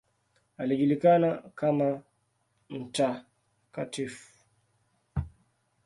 Alijulikana kama ""Mt.